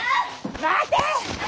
待て！